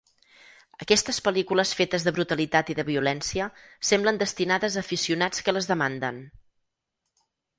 Aquestes pel·lícules fetes de brutalitat i de violència semblen destinades a aficionats que les demanden.